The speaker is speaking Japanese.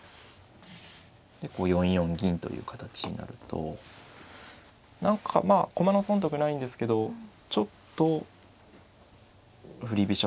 でこう４四銀という形になると何かまあ駒の損得ないんですけどちょっと振り飛車